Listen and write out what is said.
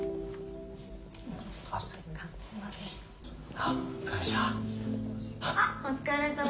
あっお疲れさま！